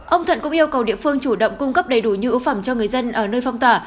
ông thuận cũng yêu cầu địa phương chủ động cung cấp đầy đủ như ưu phẩm cho người dân ở nơi phong tỏa